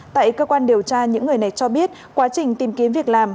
tại cơ quan điều tra những người này cho biết quá trình tìm kiếm việc làm